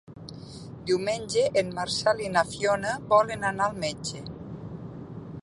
Diumenge en Marcel i na Fiona volen anar al metge.